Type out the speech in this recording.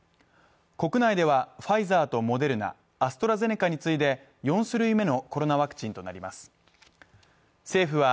国内ではファイザーとモデルナ、アストラゼネカに次いで４種類目のコロナワクチンとなります。